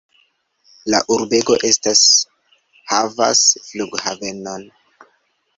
La urbego estas havas flughavenon.